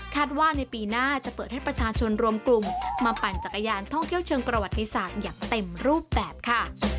ว่าในปีหน้าจะเปิดให้ประชาชนรวมกลุ่มมาปั่นจักรยานท่องเที่ยวเชิงประวัติศาสตร์อย่างเต็มรูปแบบค่ะ